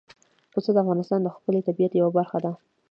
پسه د افغانستان د ښکلي طبیعت یوه برخه ده.